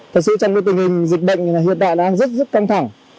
thật sự trong nguyên tình hình dịch bệnh hiện đại đang rất rất căng thẳng